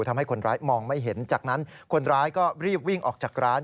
ทำให้คนร้ายมองไม่เห็นจากนั้นคนร้ายก็รีบวิ่งออกจากร้าน